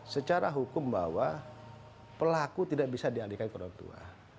secara hukum bahwa pelaku tidak bisa dialihkan ke orang tua